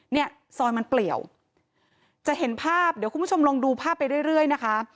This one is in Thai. เนี่ยซอยมันเปลี่ยวจะเห็นภาพเดี๋ยวคุณผู้ชมลองดูภาพไปเรื่อยนะคะ